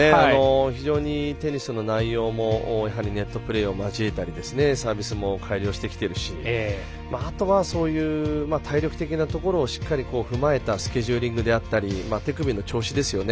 非常にテニスの内容もネットプレーを交えたりサービスも改良してきているしあとは、そういう体力的なところしっかり踏まえたスケジューリングであったり手首の調子ですよね。